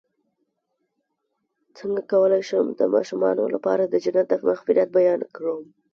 څنګه کولی شم د ماشومانو لپاره د جنت د مغفرت بیان کړم